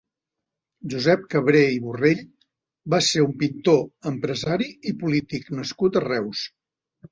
Josep Cabré i Borrell va ser un pintor, emprrsari i polític nascut a Reus.